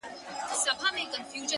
o دا درې جامونـه پـه واوښـتـل،